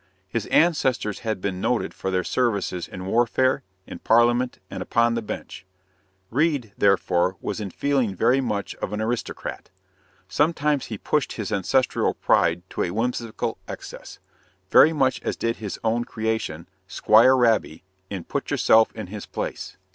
His ancestors had been noted for their services in warfare, in Parliament, and upon the bench. Reade, therefore, was in feeling very much of an aristocrat. Sometimes he pushed his ancestral pride to a whimsical excess, very much as did his own creation, Squire Raby, in Put Yourself in His Place.